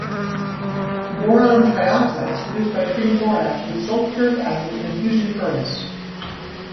Boron trioxide is produced by treating borax with sulfuric acid in a fusion furnace.